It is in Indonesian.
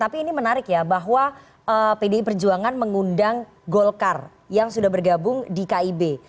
tapi ini menarik ya bahwa pdi perjuangan mengundang golkar yang sudah bergabung di kib